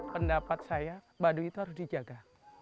pendapat saya baduy itu harus dijaga